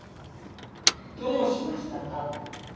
どうしましたか？